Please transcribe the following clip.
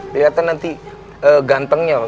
keliatan nanti gantengnya loh